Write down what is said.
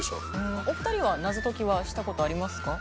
お二人はしたことありますか？